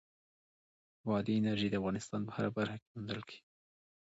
بادي انرژي د افغانستان په هره برخه کې موندل کېږي.